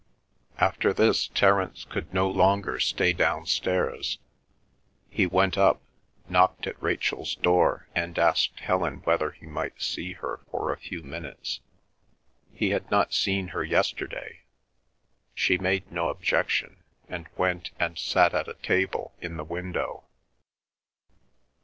After this Terence could no longer stay downstairs. He went up, knocked at Rachel's door, and asked Helen whether he might see her for a few minutes. He had not seen her yesterday. She made no objection, and went and sat at a table in the window.